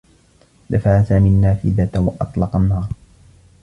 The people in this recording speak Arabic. دفع سامي النّافذة و أطلق النّار.